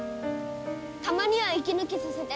たまには息抜きさせてね。